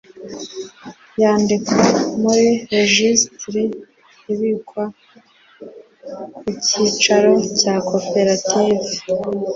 yandikwa muri regisitiri ibikwa ku cyicaro cya koperative